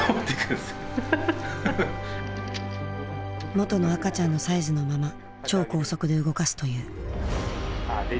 元の赤ちゃんのサイズのまま超高速で動かすという。